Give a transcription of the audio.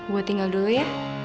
gue tinggal dulu ya